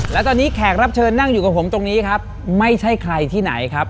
และตอนนี้แขกรับเชิญนั่งอยู่กับผมตรงนี้ครับไม่ใช่ใครที่ไหนครับ